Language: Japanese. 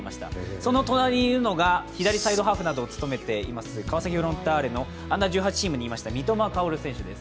その隣にいるのが、左サイドハーフなどを務めています、川崎フロンターレのＵ−１８チームにいました三笘薫選手です。